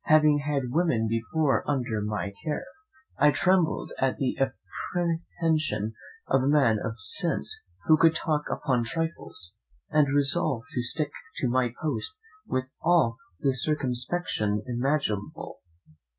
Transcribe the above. Having had women before under my care, I trembled at the apprehension of a man of sense who could talk upon trifles, and resolved to stick to my post with all the circumspection imaginable.